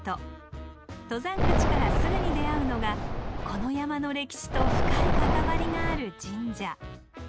登山口からすぐに出会うのがこの山の歴史と深い関わりがある神社。